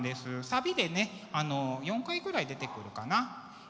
サビでね４回ぐらい出てくるかな。